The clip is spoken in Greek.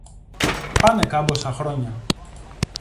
πάνε καμπόσα χρόνια,